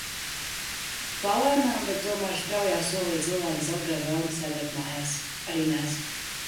Palēnām, bet tomēr straujā solī, cilvēki zaudē vēlmi sēdēt mājās. Arī mēs.